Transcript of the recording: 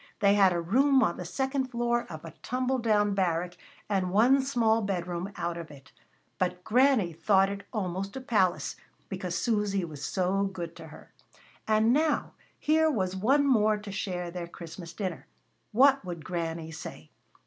They had a room on the second floor of a tumble down barrack, and one small bedroom out of it; but Granny thought it almost a palace, because Susy was so good to her. And now here was one more to share their Christmas dinner. What would Granny say!